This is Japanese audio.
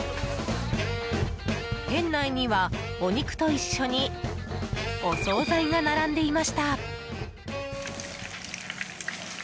店内には、お肉と一緒にお総菜が並んでいました。